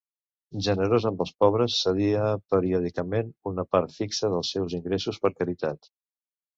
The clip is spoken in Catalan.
Generosa amb els pobres, cedia periòdicament una part fixa dels seus ingressos per caritat.